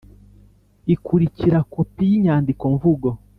ikurikira Kopi y inyandikomvugo